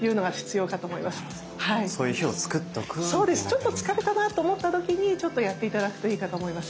ちょっと疲れたなあと思った時にちょっとやって頂くといいかと思います。